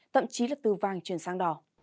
tậm chí là từ vàng chuyển sang đỏ